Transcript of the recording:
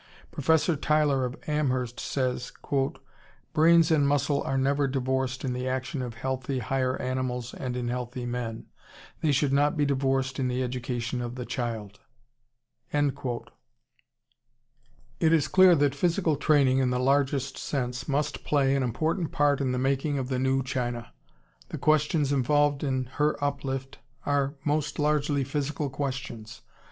Professor Tyler of Amherst says, "Brain and muscle are never divorced in the action of healthy higher animals and in healthy men. They should not be divorced in the education of the child."... It is clear that physical training, in the largest sense, must play an important part in the making of the "New China." The questions involved in her uplift are most largely physical questions.